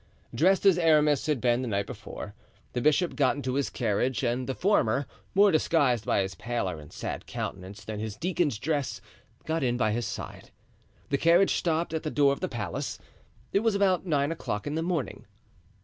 Dressed as Aramis had been the night before, the bishop got into his carriage, and the former, more disguised by his pallor and sad countenance than his deacon's dress, got in by his side. The carriage stopped at the door of the palace. It was about nine o'clock in the morning.